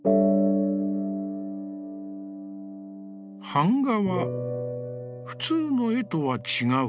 「板画は、普通の絵とは違う。